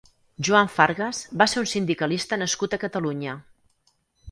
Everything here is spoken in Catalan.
Joan Fargas va ser un sindicalista nascut a Catalunya.